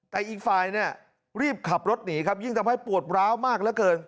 แต่อีกฝ่ายเนี่ยรีบขับรถหนีครับยิ่งทำให้ปวดร้าวมากเหลือเกิน